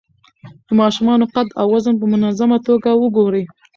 د ماشومانو قد او وزن په منظمه توګه وګورئ.